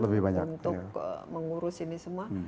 untuk mengurus ini semua